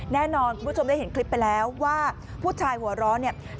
แน่นอนคุณผู้ชมได้เห็นคลิปไปแล้วว่าผู้ชายหัวร้อนเนี่ย